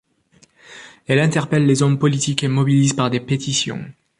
Elle interpelle les hommes politiques et mobilise par des pétitions.